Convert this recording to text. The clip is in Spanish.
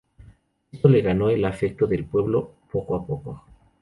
Ésto le ganó el afecto del pueblo, poco a poco.